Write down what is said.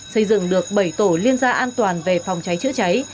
xây dựng được bảy tổ liên gia an toàn về phòng cháy chữa cháy